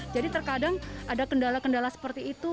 jadi terkadang ada kendala kendala seperti itu